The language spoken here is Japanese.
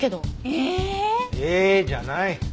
「えーっ！」じゃない。